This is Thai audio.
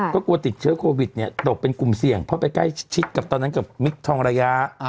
ก็กลัวติดเชื้อโควิดเนี่ยตกเป็นกลุ่มเสี่ยงเพราะไปใกล้ชิดกับตอนนั้นกับมิคทองระยะ